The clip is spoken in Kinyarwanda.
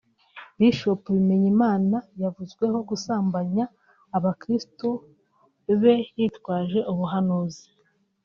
Bishop Bimenyimana yavuzweho gusambanya abakristo be yitwaje ubuhanuzi